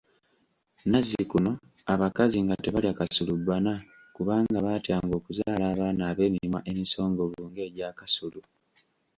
Nazzikuno abakazi nga tebalya Kasulubbana kubanga baatyanga okuzaala abaana abeemimwa emisongovu ng'egya Kasulu.